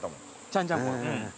ちゃんちゃんこ。